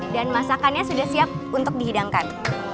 dan masakannya sudah siap untuk dihidangkan